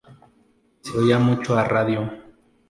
Y se oía mucho a radio.